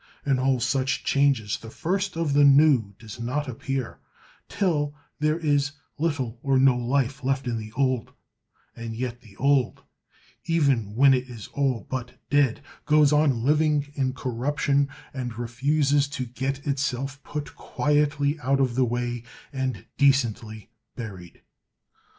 In all such changes the first of the new does not appear till there is little or no life left in the old, and yet the old, even when it is all but dead, goes on living in corruption, and refuses to get itself put quietly out of the way and decently buried.